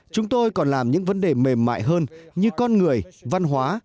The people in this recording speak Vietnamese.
chúng tôi còn làm những vấn đề mềm mại hơn như con người văn hóa